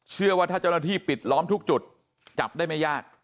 เชื่อว่าถ้าเจ้าหน้าที่ปิดล้อมทุกจุดจับได้ไม่ยาก